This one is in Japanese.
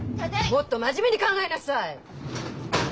・もっと真面目に考えなさい！